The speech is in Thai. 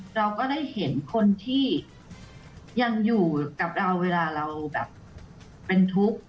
เราก็ได้เห็นคนที่ยังอยู่กับเราเวลาเราแบบเป็นทุกข์